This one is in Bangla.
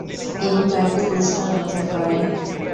এবং কয়েকটি পুরস্কার অর্জন করে।